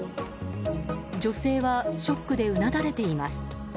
女性はショックでうなだれています。